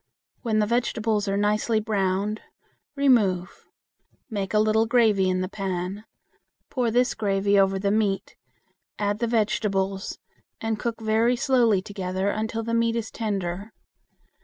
When the vegetables are nicely browned, remove, make a little gravy in the pan; pour this gravy over the meat, add the vegetables, and cook very slowly together until the meat is tender.